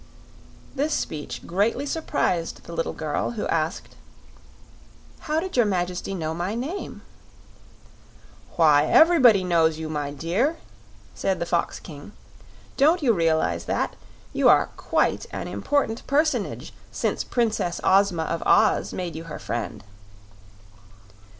This speech greatly surprised the little girl, who asked: "How did your Majesty know my name?" "Why, everybody knows you, my dear," said the Fox King. "Don't you realize that? You are quite an important personage since Princess Ozma of Oz made you her friend."